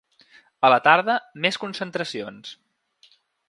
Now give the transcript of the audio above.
A la tarda, més concentracions.